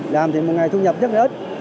làm thì một ngày thu nhập rất là ít